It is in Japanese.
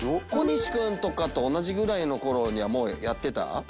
小西君とかと同じぐらいの頃にはもうやってた？